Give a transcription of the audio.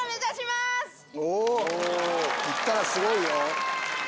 いったらすごいよ。